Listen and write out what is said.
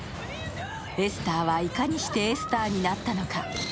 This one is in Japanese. エスターはいかにしてエスターになったのか。